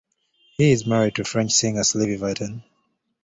He is married to French singer Sylvie Vartan.